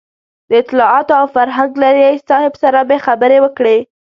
د اطلاعاتو او فرهنګ له رییس صاحب سره مې خبرې وکړې.